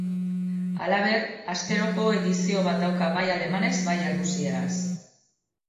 Halaber, asteroko edizio bat dauka bai alemanez bai errusieraz.